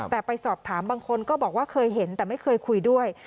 แต่ไปสอบถามบางคนก็บอกว่าเคยเห็นแต่ไม่เคยคุยด้วย